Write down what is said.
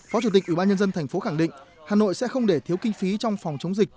phó chủ tịch ủy ban nhân dân thành phố khẳng định hà nội sẽ không để thiếu kinh phí trong phòng chống dịch